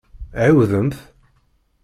Ɛiwdemt!